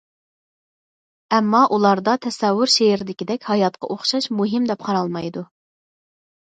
ئەمما ئۇلاردا تەسەۋۋۇر شېئىردىكىدەك ھاياتقا ئوخشاش مۇھىم دەپ قارالمايدۇ.